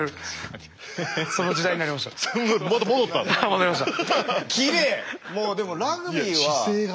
戻りました。